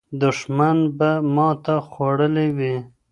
دښمن به ماته خوړلې وي.